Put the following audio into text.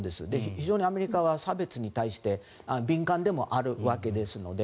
非常にアメリカは差別に対して敏感でもあるわけですので。